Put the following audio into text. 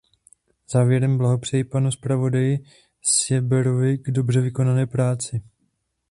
Závěrem blahopřeji panu zpravodaji Seeberovi k dobře vykonané práci.